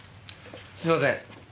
すいません。